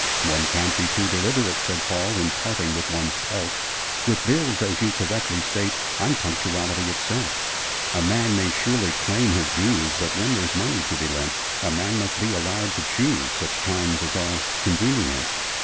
'One can't be too deliberate,' Said Paul, 'in parting with one's pelf. With bills, as you correctly state, I'm punctuality itself: A man may surely claim his dues: But, when there's money to be lent, A man must be allowed to choose Such times as are convenient!'